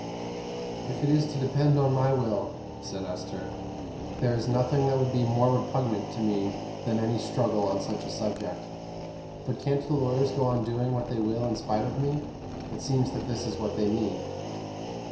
"If it is to depend on my will," said Esther, "there is nothing that would be more repugnant to me than any struggle on such a subject. But can't the lawyers go on doing what they will in spite of me? It seems that this is what they mean."